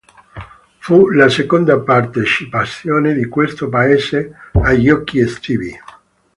Fu la seconda partecipazione di questo paese ai Giochi estivi.